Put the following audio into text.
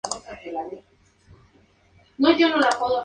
Es una zona compuesta de afloramientos de pórfido.